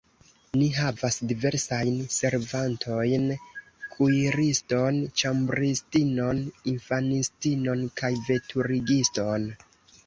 Ni havas diversajn servantojn: kuiriston, ĉambristinon, infanistinon kaj veturigiston.